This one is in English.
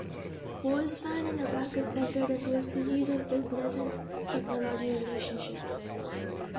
Worldspan and Abacus entered into a series of business and technology relationships.